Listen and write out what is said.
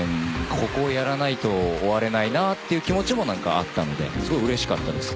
ここをやらないと終われないなっていう気持ちもあったのですごいうれしかったです。